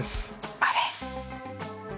あれ？